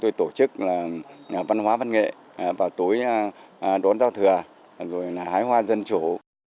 tôi tổ chức văn hóa văn nghệ vào tối đón giao thừa rồi là hái hoa dân chủ